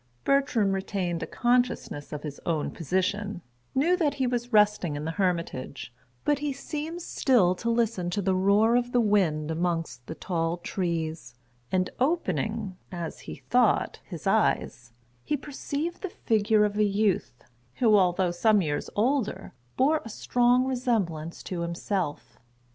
Bertram retained a consciousness of his own position; knew that he was resting in the hermitage, but he seemed still to listen to the roar of the wind amongst the tall trees; and opening (as he thought) his eyes, he perceived[Pg 21] the figure of a youth, who, although some years older, bore a strong resemblance to himself.